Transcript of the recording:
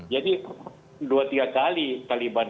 jadi dua tiga kali taliban